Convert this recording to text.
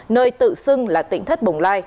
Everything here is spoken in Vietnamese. nơi tự xưng là tỉnh thất bồng lai